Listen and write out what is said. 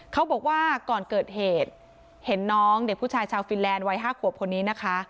เขาบอกว่าก่อนเกิดเหตุเห็นน้องเด็กผู้ชายชาวฟินแลนด์วัย๕ขวบคนนี้นะคะ